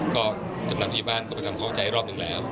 ก็กำหนังผู้เยี่ยมบ้านก็ไปทำเข้าใจรอบหนึ่งแล้ว